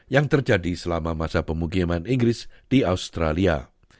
yang terjadi selama masa pemukiman inggris di australia